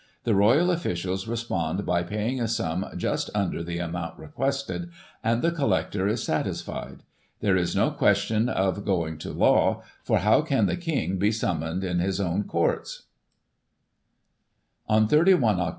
The Royal officials respond by paying a sum just under the amount requested, and the collector is satisfied. There is no question of going to law, for how can the King be summoned in his own Courts 1 " On 31 Oct.